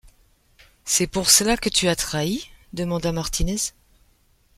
C’est pour cela que tu as trahi ? demanda Martinez